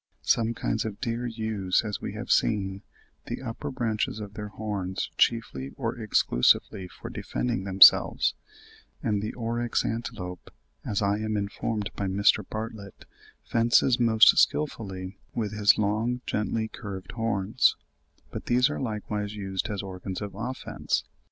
Some kinds of deer use, as we have seen, the upper branches of their horns chiefly or exclusively for defending themselves; and the Oryx antelope, as I am informed by Mr. Bartlett, fences most skilfully with his long, gently curved horns; but these are likewise used as organs of offence.